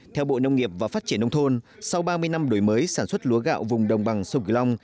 theo bộ nông nghiệp và phát triển nông thôn sau ba mươi năm đổi mới sản xuất lúa gạo vùng đồng bằng sông kiều long